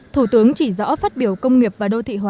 thủ tướng chỉ rõ phát biểu công nghiệp và đô thị hóa